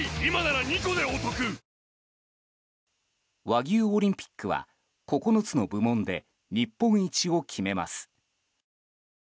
和牛オリンピックは９つの部門で日本一を決めます。